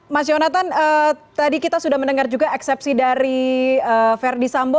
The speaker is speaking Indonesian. mas yonatan tadi kita sudah mendengar juga eksepsi dari verdi sambo